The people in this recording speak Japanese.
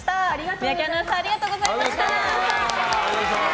三宅アナウンサーありがとうございました。